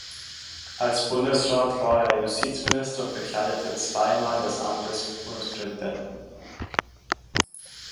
Als Bundesrat war er Justizminister und bekleidete zweimal das Amt des Bundespräsidenten.